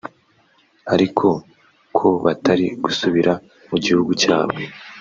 ariko ko batari gusubira mu gihugu cyabo